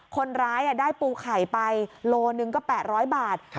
คนร้ายอ่ะได้ปูไข่ไปโลหนึ่งก็แปดร้อยบาทค่ะ